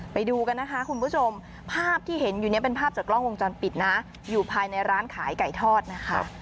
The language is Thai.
ไปดูกันนะคะคุณผู้ชมภาพที่เห็นอยู่เนี่ยเป็นภาพจากกล้องวงจรปิดนะอยู่ภายในร้านขายไก่ทอดนะคะ